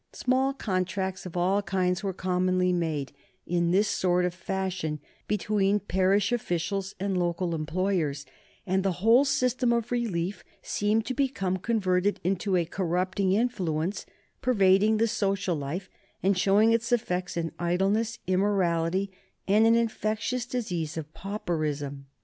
Small contracts of all kinds were commonly made, in this sort of fashion, between parish officials and local employers, and the whole system of relief seemed to become converted into a corrupting influence, pervading the social life and showing its effects in idleness, immorality, and an infectious disease of pauperism.